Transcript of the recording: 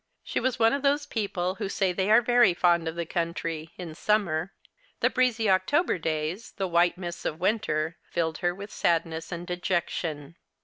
She was one of those people who say they are very fond of the country in summer. The In eezy Octol^er days, the white mists of winter, filled her with sadness and dejection.